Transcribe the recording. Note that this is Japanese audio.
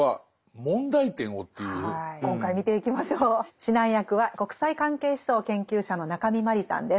指南役は国際関係思想研究者の中見真理さんです。